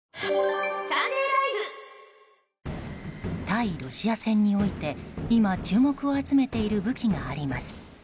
対ロシア戦において今、注目を集めている武器があります。